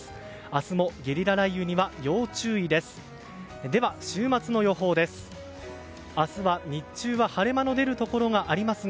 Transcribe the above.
明日もゲリラ雷雨には要注意です。